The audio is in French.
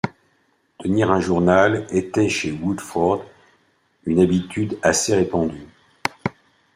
Tenir un journal était, chez les Woodforde, une habitude assez répandue.